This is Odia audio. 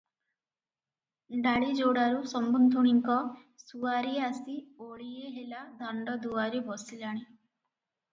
ଡାଳିଯୋଡ଼ାରୁ ସମୁନ୍ଧୁଣୀଙ୍କ ସୁଆରି ଆସି ଓଳିଏ ହେଲା ଦାଣ୍ତଦୁଆରେ ବସିଲାଣି ।